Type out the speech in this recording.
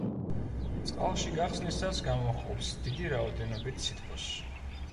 წყალში გახსნისას გამოჰყოფს დიდი რაოდენობით სითბოს.